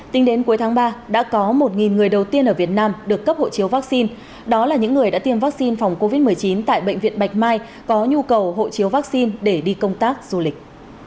tính đến cuối tháng ba đã có một người đầu tiên ở việt nam được cấp hộ chiếu vaccine đó là những người đã tiêm vaccine phòng covid một mươi chín tại bệnh viện bạch mai có nhu cầu hộ chiếu vaccine để đi công tác du lịch